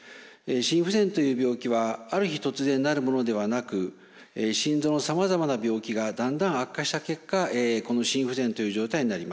心不全という病気はある日突然なるものではなく心臓のさまざまな病気がだんだん悪化した結果この心不全という状態になります。